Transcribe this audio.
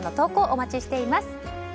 お待ちしています。